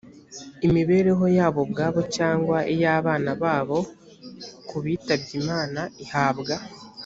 imibereho yabo ubwabo cyangwa iy abana babo kubitabye imana ihabwa